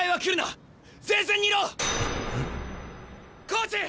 コーチ！